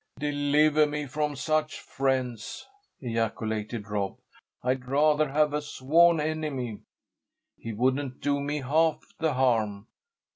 "Deliver me from such friends!" ejaculated Rob. "I'd rather have a sworn enemy. He wouldn't do me half the harm."